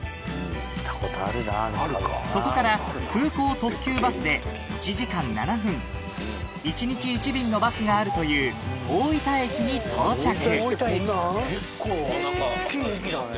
そこから空港特急バスで１時間７分１日１便のバスがあるという大分駅に到着大きい駅だね。